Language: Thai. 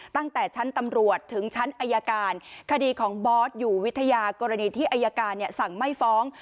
ตั้งแต่ชั้นตำรวจถึงชั้นอายการคดีของบอสอยู่วิทยากรณีที่อายการสั่งไม่ฟ้อง